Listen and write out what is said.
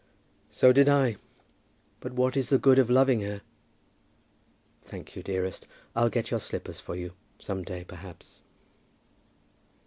"So did I. But what is the good of loving her? Thank you, dearest. I'll get your slippers for you some day, perhaps."